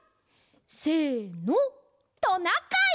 せのトナカイ！